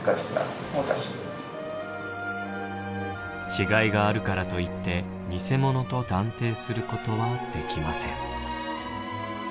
違いがあるからといって偽物と断定することはできません。